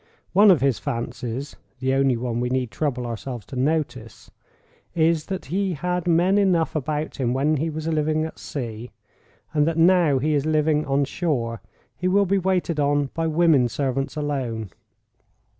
One of his fancies (the only one we need trouble ourselves to notice) is, that he had men enough about him when he was living at sea, and that now he is living on shore, he will be waited on by women servants alone.